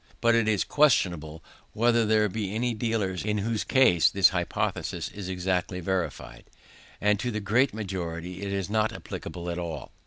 But it is questionable whether there be any dealers in whose case this hypothesis is exactly verified; and to the great majority it is not applicable at all.